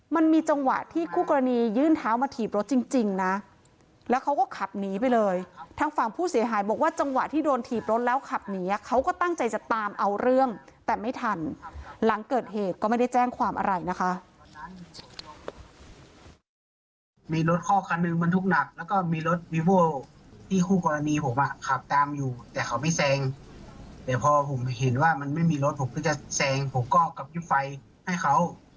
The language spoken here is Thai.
มันมีจังหวะที่คู่กรณียื่นเท้ามาถีบรถจริงจริงนะแล้วเขาก็ขับหนีไปเลยทางฝั่งผู้เสียหายบอกว่าจังหวะที่โดนถีบรถแล้วขับหนีเขาก็ตั้งใจจะตามเอาเรื่องแต่ไม่ทันหลังเกิดเหตุก็ไม่ได้แจ้งความอะไรนะคะ